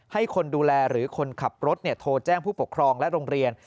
ให้คนดูแลหรือคนขับรถโทรแจ้งผู้ปกครองและโรงเรียน